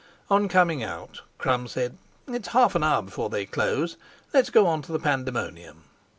On coming out Crum said: "It's half an hour before they close; let's go on to the Pandemonium."